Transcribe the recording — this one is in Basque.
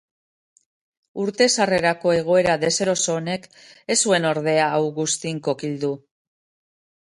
Urte sarrerako egoera deseroso honek ez zuen, ordea, Augustin kokildu.